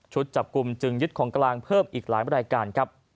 ชุดจับกุมจึงยึดของกลางเพิ่มอีกหลายบริการ